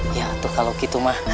iya atu kalau gitu mah